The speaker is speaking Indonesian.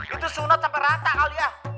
itu sunat sampai rata kali ya